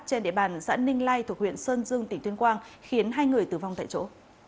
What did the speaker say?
trên địa bàn xã ninh lai thuộc huyện sơn dương tỉnh tuyên quang khiến hai người tử vong tại chỗ